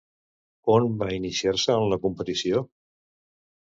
On va iniciar-se en la competició?